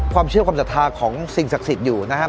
ความเชื่อความศรัทธาของสิ่งศักดิ์สิทธิ์อยู่นะครับ